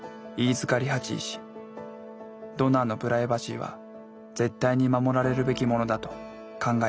ドナーのプライバシーは絶対に守られるべきものだと考えていた。